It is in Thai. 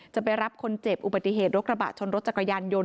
จะไปรับคนเจ็บอุบัติเหตุรถกระบะชนรถจักรยานยนต